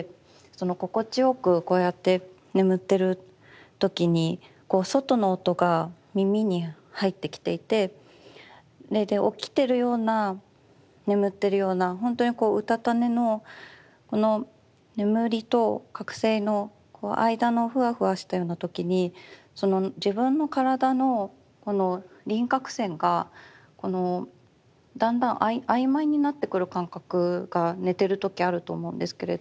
心地よくこうやって眠ってる時にこう外の音が耳に入ってきていて起きてるような眠ってるようなほんとにこううたた寝のこの眠りと覚醒の間のふわふわしたような時にその自分の体のこの輪郭線がだんだん曖昧になってくる感覚が寝てる時あると思うんですけれど。